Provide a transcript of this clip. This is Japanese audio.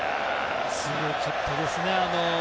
すごかったですね。